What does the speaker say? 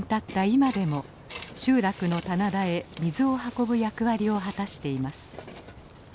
今でも集落の棚田へ水を運ぶ役割を果たしています。